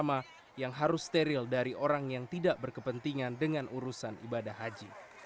ini adalah hal yang tidak steril dari orang yang tidak berkepentingan dengan urusan ibadah haji